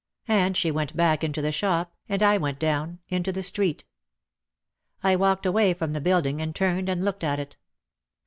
And she went back into the shop and I went down into the street. I walked away from the building and turned and looked at it.